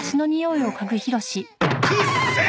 くっせえ！